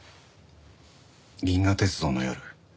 『銀河鉄道の夜』。